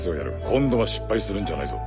今度は失敗するんじゃないぞ。